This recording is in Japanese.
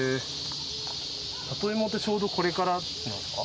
里芋ってちょうどこれからなんですか？